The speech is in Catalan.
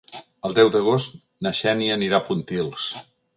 El deu d'agost na Xènia anirà a Pontils.